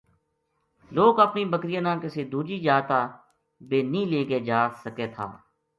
لوک اپنی بکریاں نا کسی دوجی جا تا بے نیہہ لے کے جا سکے تھا